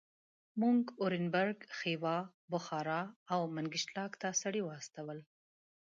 موږ اورینبرګ، خیوا، بخارا او منګیشلاک ته سړي واستول.